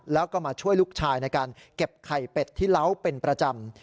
แล้วก็มาช่วยลูกชายในการเก็บไข่เป็ดที่เล้าเป็นประจำ